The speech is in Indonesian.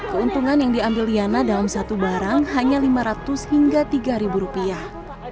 keuntungan yang diambil liana dalam satu barang hanya lima ratus hingga tiga ribu rupiah